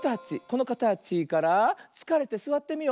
このかたちからつかれてすわってみよう。